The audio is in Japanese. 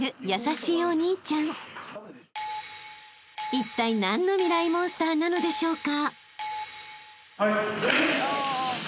［いったい何のミライ☆モンスターなのでしょうか？］